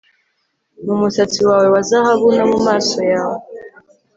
mu musatsi wawe wa zahabu, no mu maso yawe